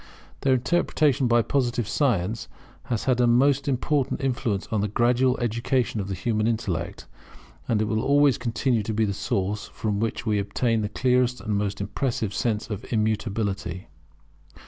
Their interpretation by Positive science has had a most important influence on the gradual education of the human intellect: and it will always continue to be the source from which we obtain the clearest and most impressive sense of Immutability.